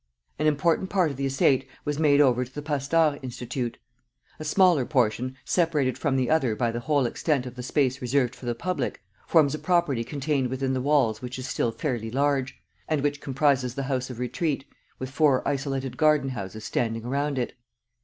An important part of the estate was made over to the Pasteur Institute. A smaller portion, separated from the other by the whole extent of the space reserved for the public, forms a property contained within the walls which is still fairly large, and which comprises the House of Retreat, with four isolated garden houses standing around it.